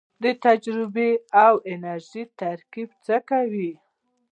د تجربې او انرژۍ ترکیب څه کوي؟